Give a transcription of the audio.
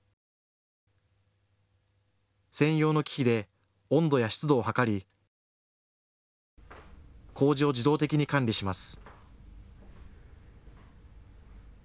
専用の機器で温度や湿度を測りこうじを自動的に管理します。